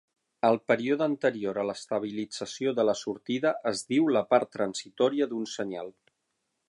El període anterior a l'estabilització de la sortida es diu la part transitòria d'un senyal.